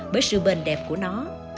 bởi sự bền đẹp của nó